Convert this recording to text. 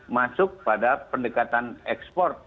masuk pada pendekatan ekspor